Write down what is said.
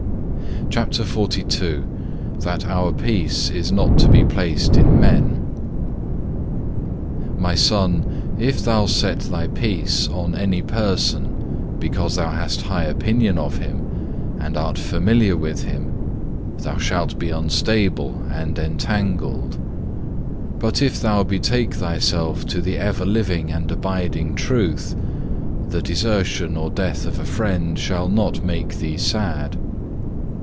CHAPTER XLII That our peace is not to be placed in men "My Son, if thou set thy peace on any person because thou hast high opinion of him, and art familiar with him, thou shalt be unstable and entangled. But if thou betake thyself to the ever living and abiding Truth, the desertion or death of a friend shall not make thee sad.